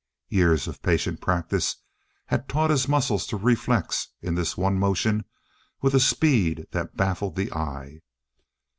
Years of patient practice had taught his muscles to reflex in this one motion with a speed that baffled the eye.